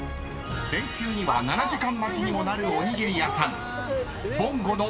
［連休には７時間待ちにもなるおにぎり屋さん］